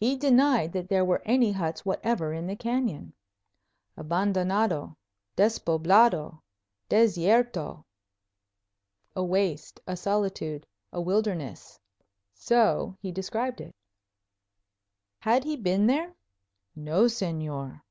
He denied that there were any huts whatever in the canyon. "Abandonado; despoblado; desierto." "A waste; a solitude; a wilderness." So he described it. Had he been there? "No, Señor."